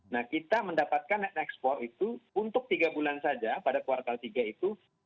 nah kita mendapatkan net export itu untuk tiga bulan saja pada kuartal tiga itu